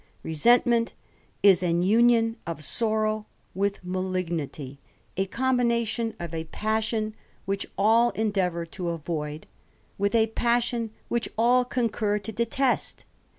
Resentment is an union STOW iritb mahgnity, a combination of a passion which mo THE RAMBLER. i all endeavour to avoid, vrith a passion which all concur to detest.